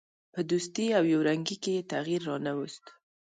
په دوستي او یو رنګي کې یې تغییر را نه ووست.